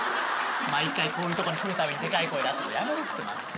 毎回こういうとこに来る度にでかい声出すのやめろってマジで。